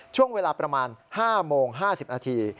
ช่วงเวลาประมาณ๕โมง๕๐นาที